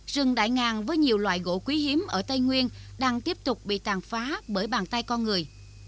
rừng đại ngàn với nhiều loại gỗ quý hiếm ở tây nguyên đang tiếp tục bị tàn phá bởi bàn tay con người